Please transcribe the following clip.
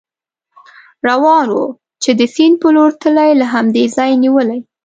روان و، چې د سیند په لور تلی، له همدې ځایه نېولې.